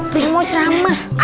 saya mau ceramah